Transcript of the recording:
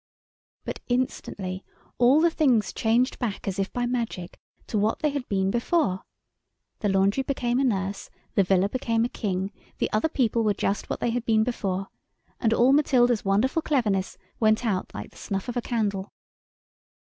But instantly all the things changed back as if by magic to what they had been before. The laundry became a nurse, the villa became a king, the other people were just what they had been before, and all Matilda's wonderful cleverness went out like the snuff of a candle.